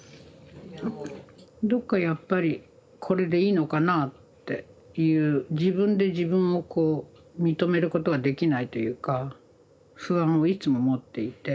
どっかやっぱりこれでいいのかなあっていう自分で自分をこう認めることができないというか不安をいつも持っていて。